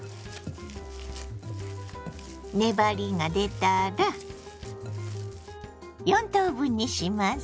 粘りが出たら４等分にします。